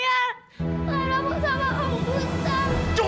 lara mau sama om gustaf